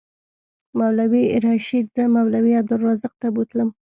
مولوي رشید زه مولوي عبدالرزاق ته بوتلم.